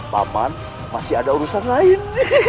paman masih ada urusan lain